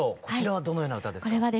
こちらはどのような歌ですか？